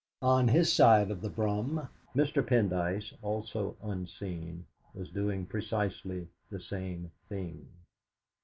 On his side of the brougham Mr. Pendyce, also unseen, was doing precisely the same thing.